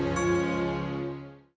saya tidak mau